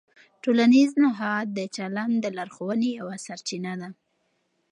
ټولنیز نهاد د چلند د لارښوونې یوه سرچینه ده.